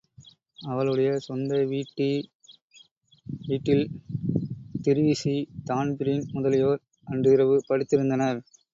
அவளுடைய சொந்த வீட்டி வீட்டில்ன் Treacy, Dan Breen முதலியோர் அன்றிரவு படுத்திருந்தனர்.